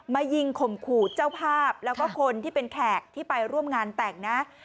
มายิงข่มขู่เจ้าภาพแล้วก็คนที่เป็นแขกที่ไปร่วมงานแต่งนะ